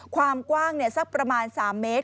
ความกว้างสักประมาณ๓เมตร